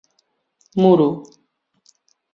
Muro.